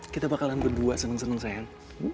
kita bakalan berdua seneng seneng sayang